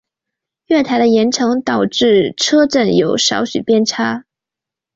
月台的延长导致车站有少许偏差。